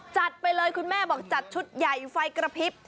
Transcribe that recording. จัดไปเลยคุณแม่บอกจัดชุดใหญ่ไฟกระพริบ